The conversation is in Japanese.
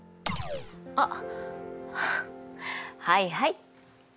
あっはいはい。